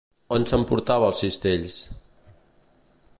On s'emportava els cistells?